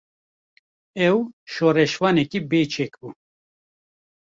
Ew, şoreşvanekî bê çek bû